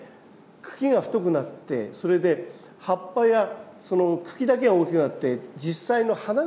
茎が太くなってそれで葉っぱやその茎だけが大きくなって実際の花が咲きますよね。